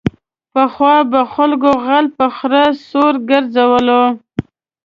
پخوا به خلکو غل په خره سور گرځولو.